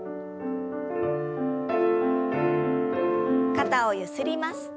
肩をゆすります。